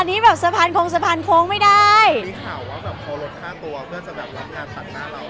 อันนี้แบบสะพานคงสะพานโค้งไม่ได้มีข่าวว่าแบบพอลดค่าตัวเพื่อจะแบบรับงานตัดหน้าเรา